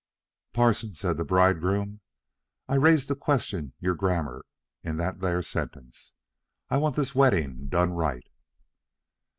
"'Parson,' says the bridegroom, 'I rises to question your grammar in that there sentence. I want this weddin' done right.'